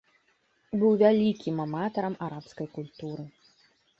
Быў вялікім аматарам арабскай культуры.